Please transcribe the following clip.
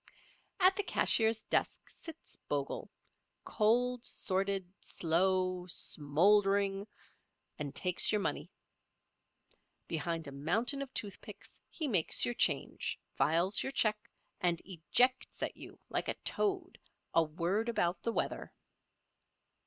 At the cashier's desk sits Bogle, cold, sordid, slow, smouldering, and takes your money. Behind a mountain of toothpicks he makes your change, files your check, and ejects at you, like a toad, a word about the weather.